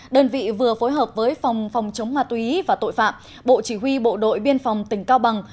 đơn vị vừa phối hợp với phòng phòng chống ma túy và tội phạm bộ chỉ huy bộ đội biên phòng tỉnh cao bằng